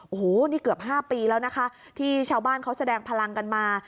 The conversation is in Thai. โอ้โหนี่เกือบ๕ปีแล้วนะคะที่ชาวบ้านเขาแสดงพลังกันมา